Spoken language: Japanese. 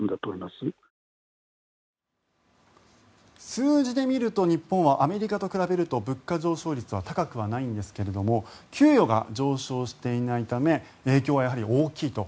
数字で見ると日本は、アメリカと比べると物価上昇率は高くはないんですが給与が上昇していないため影響はやはり大きいと。